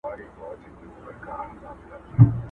په هر قالب کي څه برابر یې!